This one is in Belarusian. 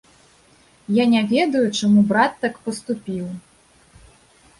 Я не ведаю, чаму брат так паступіў.